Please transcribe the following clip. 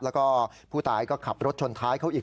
แล้วก็ผู้ตายก็ขับรถชนท้ายเขาอีก